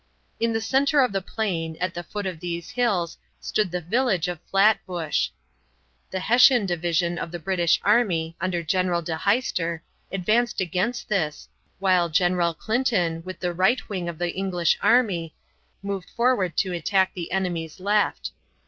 In the center of the plain, at the foot of these hills, stood the village of Flatbush. The Hessian division of the British army, under General De Heister, advanced against this, while General Clinton, with the right wing of the English army, moved forward to attack the enemy's left.